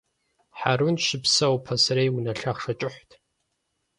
Хьэрун щыпсэур пасэрей унэ лъахъшэ кӀыхьт.